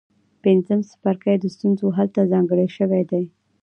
پنځم څپرکی د ستونزو حل ته ځانګړی شوی دی.